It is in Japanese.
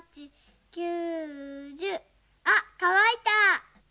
あっかわいた。